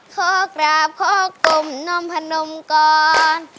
เค้ากราบเค้ากกลมน้องผนมก่อน